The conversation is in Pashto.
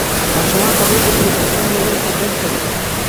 ماشومان په لوبو کې د تصمیم نیونې تمرین کوي.